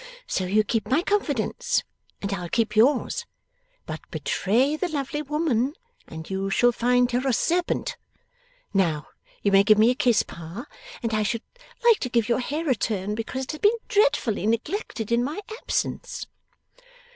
So you keep my confidence, and I'll keep yours. But betray the lovely woman, and you shall find her a serpent. Now, you may give me a kiss, Pa, and I should like to give your hair a turn, because it has been dreadfully neglected in my absence.